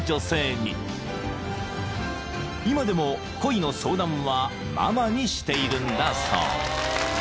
［今でも恋の相談はママにしているんだそう］